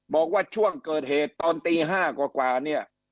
บอกว่าช่วงเกิดเหตุตอนตี๕กว่าเนี่ย